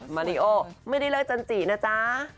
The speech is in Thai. มาริโอไม่ได้เลิกจันจินะจ๊ะ